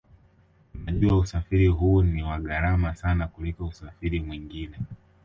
Tunajua usafiri huu ni wa gharama sana kuliko usafiri mwingine